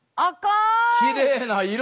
きれいな色！